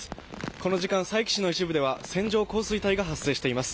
この時間、佐伯市の一部では線状降水帯が発生しています。